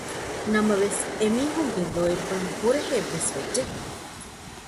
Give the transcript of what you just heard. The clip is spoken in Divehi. ނަމަވެސް އެމީހުންގެ ލޯތްބަށް ހުރަހެއްވެސް ވެއްޖެ